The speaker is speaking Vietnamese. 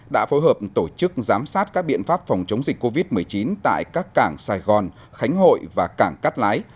đã phối hợp tổ chức giám sát các biện pháp phòng chống dịch covid một mươi chín tại các cảng sài gòn khánh hội và cảng cát lái